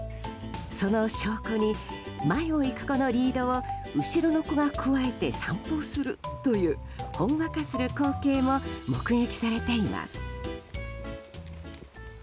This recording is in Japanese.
その証拠に前を行く子のリードを後ろの子がくわえて散歩するというホンワカする光景も目撃されています。